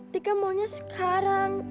tika maunya sekarang